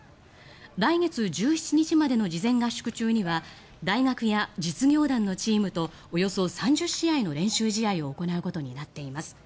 来月１７日までの事前合宿中には大学や実業団のチームとおよそ３０試合の練習試合を行うことになっています。